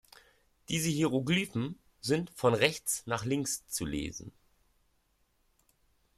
Diese Hieroglyphen sind von rechts nach links zu lesen.